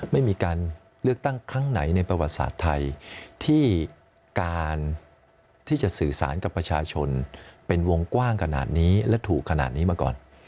ไม่มีการเลือกตั้งครั้งไหนในประวัติศาสตร์ไทยที่การที่จะสื่อสารกับประชาชนเป็นวงกว้างขนาดนี้และถูกขนาดนี้มาก่อน